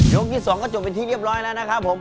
ที่๒ก็จบเป็นที่เรียบร้อยแล้วนะครับผม